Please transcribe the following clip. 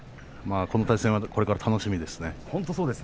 この対戦は、これから楽しみですね。